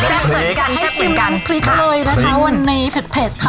ให้ชิมน้ำพริกเลยนะคะวันนี้เผ็ดค่ะ